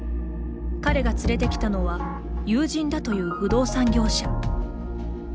彼が連れてきたのは友人だという不動産業者。